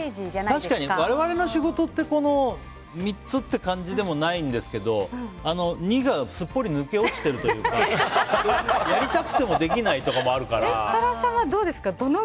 確かに、我々の仕事って３つってわけじゃないんですけど２がすっぽり抜け落ちているというかやりたくてもできないとかあるから。